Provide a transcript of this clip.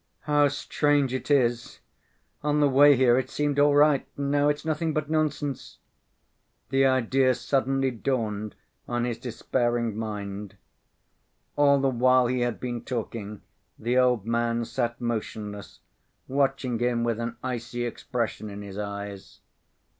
"How strange it is! On the way here it seemed all right, and now it's nothing but nonsense." The idea suddenly dawned on his despairing mind. All the while he had been talking, the old man sat motionless, watching him with an icy expression in his eyes.